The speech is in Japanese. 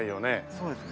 そうですね。